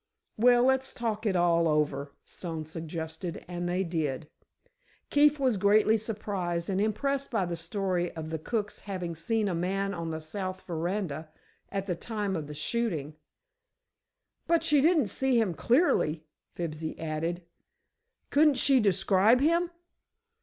"Well, let's talk it all over," Stone suggested, and they did. Keefe was greatly surprised and impressed by the story of the cook's having seen a man on the south veranda at the time of the shooting. "But she didn't see him clearly," Fibsy added. "Couldn't she describe him?"